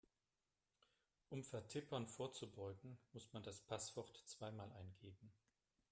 Um Vertippern vorzubeugen, muss man das Passwort zweimal eingeben.